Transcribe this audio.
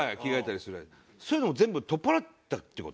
そういうのも全部取っ払ったっていう事？